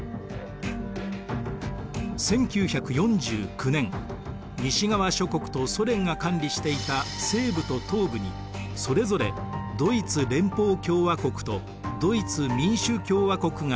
１９４９年西側諸国とソ連が管理していた西部と東部にそれぞれドイツ連邦共和国とドイツ民主共和国が成立。